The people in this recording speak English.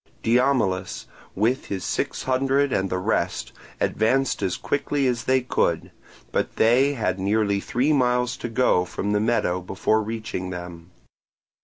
Diomilus with his six hundred and the rest advanced as quickly as they could, but they had nearly three miles to go from the meadow before reaching them.